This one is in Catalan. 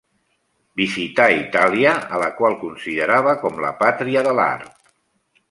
Visità Itàlia a la qual considerava com la pàtria de l'art.